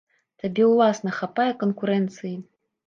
Табе, уласна, хапае канкурэнцыі?